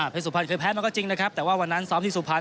แพทย์สุภัณฑ์คือแพทย์มันก็จริงนะครับแต่วันนั้นซ้อมที่สุภัณฑ์